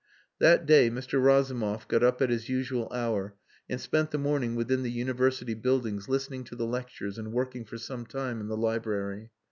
That day Mr. Razumov got up at his usual hour and spent the morning within the University buildings listening to the lectures and working for some time in the library.